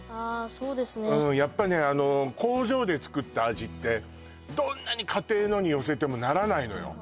そうですねうんやっぱねあの工場で作った味ってどんなに家庭のに寄せてもならないのよ